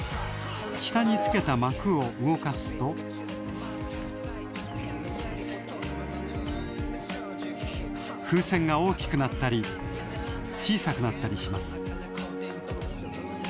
下につけた膜を動かすと風船が大きくなったり小さくなったりします